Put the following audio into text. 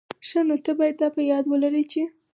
ښه، نو ته بايد دا په یاد ولري چي...